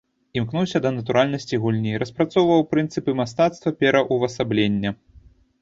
Імкнуўся да натуральнасці гульні, распрацоўваў прынцыпы мастацтва пераўвасаблення.